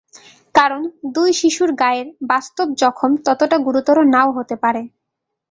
কারণ, দুই শিশুর গায়ের বাস্তব জখম ততটা গুরুতর নাও হতে পারে।